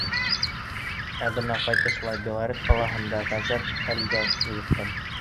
Ә бына ҡайтышлай Белорет ҡалаһында ғәжәп хәлгә юлыҡтым.